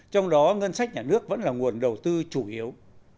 trong đó ngân sách nhà nước vẫn là nguồn đầu tư chủ yếu